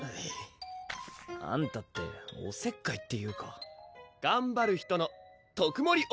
あんたっておせっかいっていうかがんばる人の特盛り